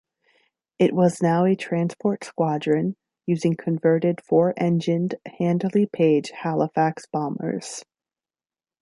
It was now a transport squadron using converted four-engined Handley Page Halifax bombers.